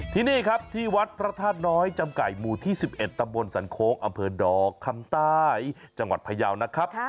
ที่นี่ครับที่วัดพระธาตุน้อยจำไก่หมู่ที่๑๑ตำบลสันโค้งอำเภอดอกคำใต้จังหวัดพยาวนะครับ